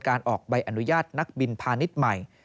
ออกใบอนุญาตนักบินพาณิชย์ใหม่